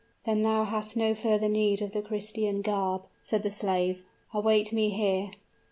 "Then thou hast no further need of the Christian garb," said the slave. "Await me here."